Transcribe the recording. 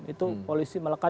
itu polisi melanggar